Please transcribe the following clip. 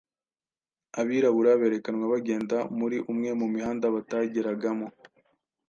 Abirabura berekanwa bagenda muri umwe mu mihanda batageragamo.